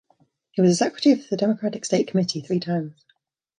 He was the secretary of the Democratic State committee three times.